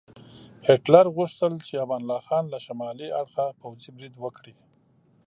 هیټلر غوښتل چې امان الله خان له شمالي اړخه پوځي برید وکړي.